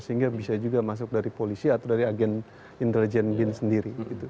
sehingga bisa juga masuk dari polisi atau dari agen intelijen bin sendiri